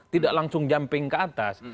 tidak langsung jumping ke atas